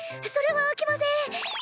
それはあきません！